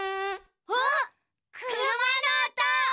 あっくるまのおと！